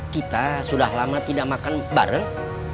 kita sudah lama tidak makan bareng